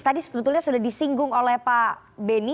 tadi sebetulnya sudah disinggung oleh pak beni